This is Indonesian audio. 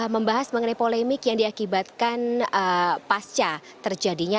membahas mengenai polemik yang diakibatkan pasca terjadinya